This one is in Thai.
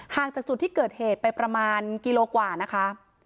จากจุดที่เกิดเหตุไปประมาณกิโลกว่านะคะ